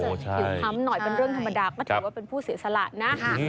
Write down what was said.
ก็จะอยู่ทมหน่อยเป็นเรื่องธรรมดามันถือว่าเป็นผู้เสียสระนะ